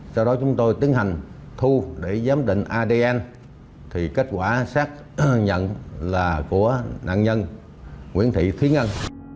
sau đó chúng tôi tiến hành thu để giám định adn thì kết quả xác nhận là của nạn nhân nguyễn thị thúy ngân